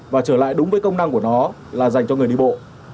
và trở lại đúng với công năng của nó là dành cho người đi bộ